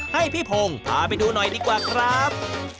ให้พี่พงศ์พาไปดูหน่อยดีกว่าครับ